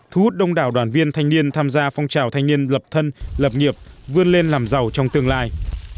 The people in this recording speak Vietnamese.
thu hút đông đảo đoàn viên thanh niên tham gia phong trào thanh niên lập thân lập nghiệp vươn lên làm giàu trong tương lai